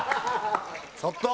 ちょっと！